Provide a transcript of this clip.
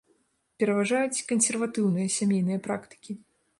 Пераважаюць кансерватыўныя сямейныя практыкі.